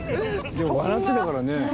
でも笑ってたからね。